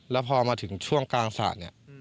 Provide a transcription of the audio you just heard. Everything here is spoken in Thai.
แล้วพอมาถึงช่วงกลางสระเนี่ย